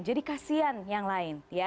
jadi kasian yang lain ya